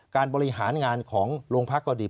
การบริหารงานของโรงพักก็ดี